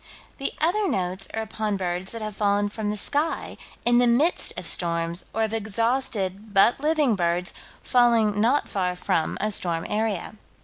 The other notes are upon birds that have fallen from the sky, in the midst of storms, or of exhausted, but living, birds, falling not far from a storm area.